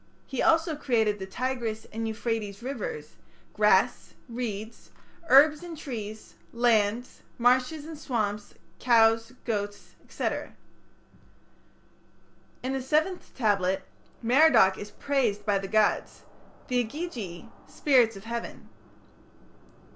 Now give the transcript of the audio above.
He also created the Tigris and Euphrates rivers, grass, reeds, herbs and trees, lands, marshes and swamps, cows, goats, &c. In the seventh tablet Merodach is praised by the gods the Igigi (spirits of heaven).